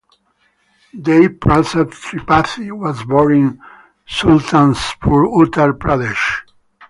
Devi Prasad Tripathi was born in Sultanpur Uttar Pradesh.